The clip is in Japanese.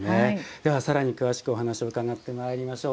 では、さらに詳しくお話を伺ってまいりましょう。